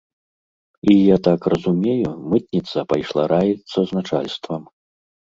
І, я так разумею, мытніца пайшла раіцца з начальствам.